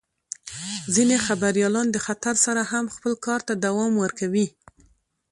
ځینې خبریالان د خطر سره هم خپل کار ته دوام ورکوي.